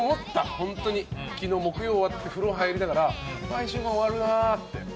本当に昨日木曜、終わって風呂入りながら１週間終わるなあって。